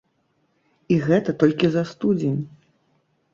І гэта толькі за студзень.